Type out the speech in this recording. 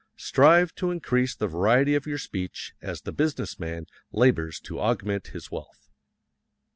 Strive to increase the variety of your speech as the business man labors to augment his wealth.